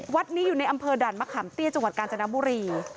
วัดนี้อยู่ในอำเภอด่านมะขามเตี้ยจังหวัดกาญจนบุรี